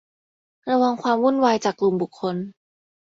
ระวังความวุ่นวายจากกลุ่มบุคคล